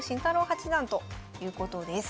八段ということです。